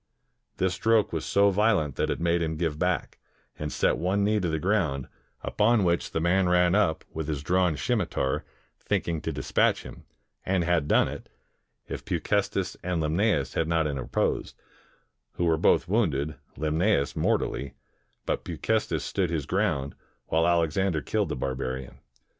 This stroke was so \'iolent that it made him give back, and set one knee to the ground, upon which the man ran up with his drawn scimitar, thinking to dispatch him, and had done it, if Peucestes and Limnaeus had not interposed, who were both wounded, Limnasus mortally, but Peu cestes stood his ground, while Alexander killed the bar barian.